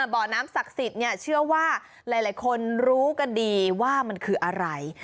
บ่อน้ำศักดิ์สิทธิ์เชื่อว่าหลายคนรู้กันดีว่ามันคืออะไร